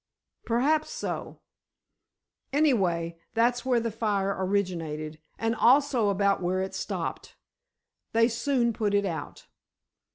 "Perhaps so. Anyway, that's where the fire originated, and also about where it stopped. They soon put it out."